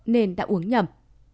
nên đã uống nhầm